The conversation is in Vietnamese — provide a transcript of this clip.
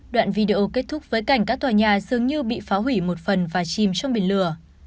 đoạn video kết thúc với cảnh các tòa nhà dường như bị phá hủy một phần và chìm trong biển lửa